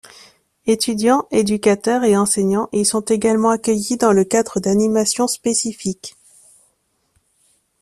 Étudiants, éducateurs et enseignants y sont également accueillis dans le cadre d'animations spécifiques.